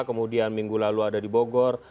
kemudian minggu lalu ada di bogor